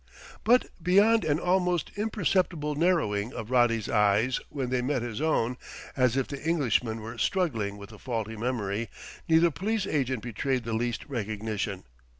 But beyond an almost imperceptible narrowing of Roddy's eyes when they met his own, as if the Englishman were struggling with a faulty memory, neither police agent betrayed the least recognition.